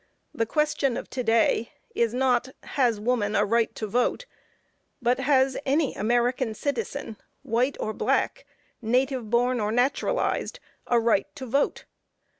The question of to day, is not has woman a right to vote, but has any American citizen, white or black, native born, or naturalized, a right to vote.